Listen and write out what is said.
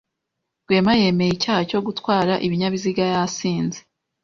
Rwema yemeye icyaha cyo gutwara ibinyabiziga yasinze